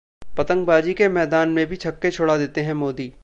पतंगबाजी के मैदान में भी छक्के छुड़ा देते हैं मोदी